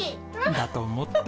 だと思った。